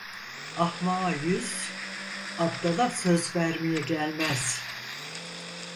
Ahmağa yüz, abdala söz vermeye gelmez.